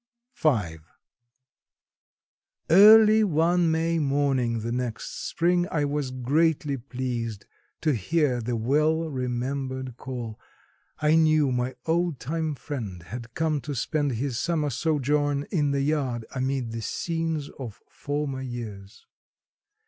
V. Early one May morning the next spring I was greatly pleased to hear the well remembered call. I knew my old time friend had come to spend his summer sojourn in the yard amid the scenes of former years.